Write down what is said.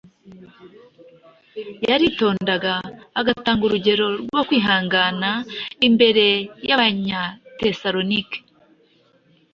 yaritondaga agatanga urugero rwo kwihangana imbere y’Abanyatesalonike